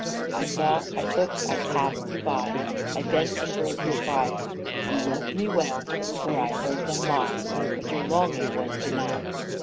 I saw, I took, I cast you by, I bent and broke your pride. You loved me well, or I heard them lie, But your longing was denied.